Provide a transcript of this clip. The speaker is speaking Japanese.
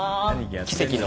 奇跡の。